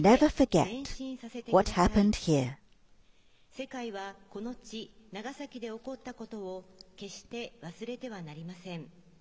世界はこの地、長崎で起こったことを決して忘れてはなりません。